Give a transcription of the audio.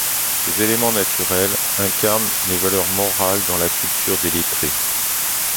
Ces éléments naturels incarnent des valeurs morales, dans la culture des lettrés.